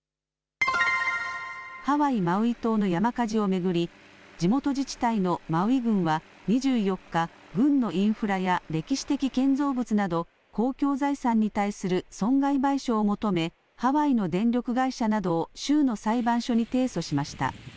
ハワイ・マウイ島の山火事を巡り地元自治体のマウイ郡は２４日、郡のインフラや歴史的建造物など公共財産に対する損害賠償を求めハワイの電力会社などを州の裁判所に提訴しました。